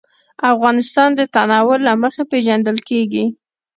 افغانستان د تنوع له مخې پېژندل کېږي.